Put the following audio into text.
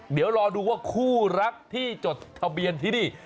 เดี๋ยวรอดูว่าคู่รักที่จดทะเบียนที่นี่